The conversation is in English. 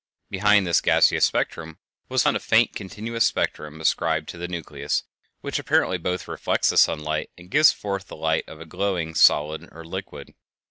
Behind this gaseous spectrum was found a faint continuous spectrum ascribed to the nucleus, which apparently both reflects the sunlight and gives forth the light of a glowing solid or liquid.